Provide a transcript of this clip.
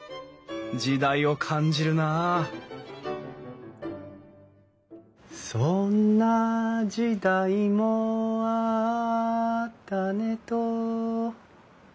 時代を感じるなあ「そんな時代もあったねと」